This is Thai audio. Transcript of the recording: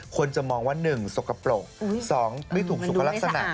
คนจะมองว่า๑สกปรก๒ไม่ถูกสูงสนุกและลักษณะ